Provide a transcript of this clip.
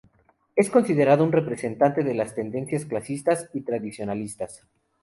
Es considerado un representante de las tendencias clasicistas y tradicionalistas.